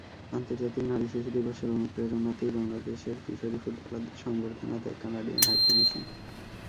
আন্তর্জাতিক নারী শিশু দিবসের অনুপ্রেরণাতেই বাংলাদেশের কিশোরী ফুটবলারদের সংবর্ধনা দেয় কানাডিয়ান হাইকমিশন।